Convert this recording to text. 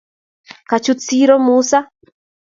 Kachut siro Musa